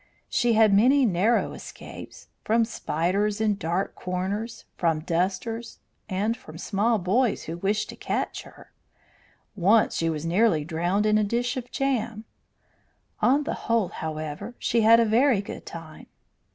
She had many narrow escapes from spiders in dark corners, from dusters, and from small boys who wished to catch her. Once she was nearly drowned in a dish of jam. On the whole, however, she had a very good time.